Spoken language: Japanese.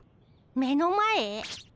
目の前？